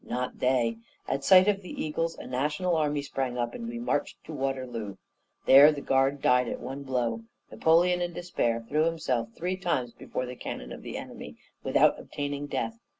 Not they! At sight of the eagles, a national army sprang up, and we marched to Waterloo. There, the Guard died at one blow. Napoleon, in despair, threw himself three times before the cannon of the enemy without obtaining death.